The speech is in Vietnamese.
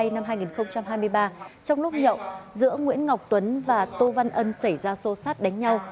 năm hai nghìn hai mươi ba trong lúc nhậu giữa nguyễn ngọc tuấn và tô văn ân xảy ra xô xát đánh nhau